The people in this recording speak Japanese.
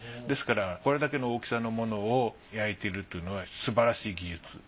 ですからこれだけの大きさのものを焼いてるというのはすばらしい技術。